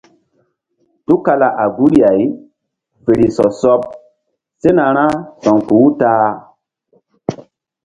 Tukala a guri-ay fe ri sɔ sɔɓ sena ra sa̧wkpuh-u ta-a.